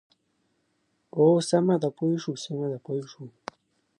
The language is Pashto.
ولایتونه د افغانستان د صادراتو یوه برخه ده.